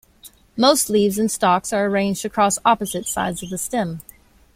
Most leaves and stalks are arranged across opposite sides of the stem.